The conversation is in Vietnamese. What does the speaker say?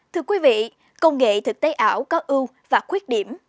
thưa quý vị công nghệ thực tế ảo có ưu và khuyết điểm